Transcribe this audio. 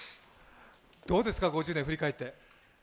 どうですか、５０年を振り返って。